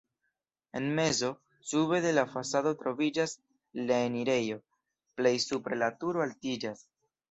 En mezo, sube de la fasado troviĝas la enirejo, plej supre la turo altiĝas.